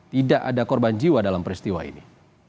tidak ada korban jiwa dalam peristiwa ini